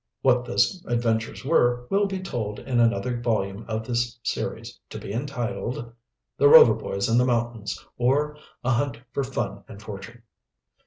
What those adventures were will be told in another volume of this series to be entitled, "THE ROVER BOYS IN THE MOUNTAINS; or, A HUNT FOR FUN AND FORTUNE."